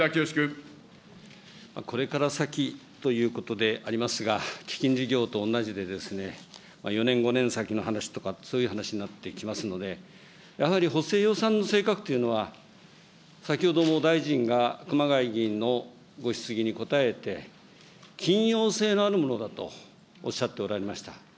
これから先、ということでありますが、基金事業と同じで４年、５年先の話とか、そういう話になってきますので、やはり補正予算の性格というのは、先ほども大臣が熊谷議員のご質疑に答えて、緊要性のあるものだとおっしゃっておられました。